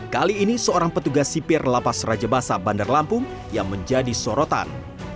kali ini seorang petugas sipir lapas raja basa bandar lampung yang menjadi sorotan